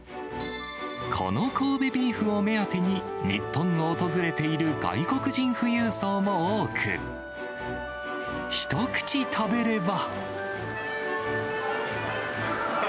この神戸ビーフを目当てに、日本を訪れている外国人富裕層も多く、一口食べれば。